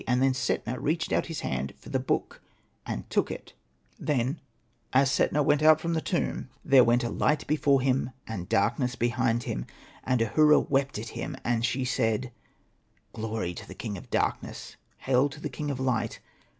And then Setna reached out his hand for the book, and took it. Then — as Setna went out from the Hosted by Google 112 SETNA AND THE MAGIC BOOK tomb — there went a Light before him, and Darkness behind him. And Ahura wept at him, and she said, ^'^ Glory to the King of Darkness ! Hail to the King of Light